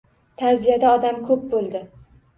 Ta’ziyada odam ko‘p bo‘ldi